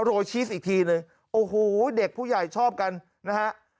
โรยขี้ศ์อีกทีนึงโอ้โฮเด็กผู้ใหญ่ชอบกันนะฮะ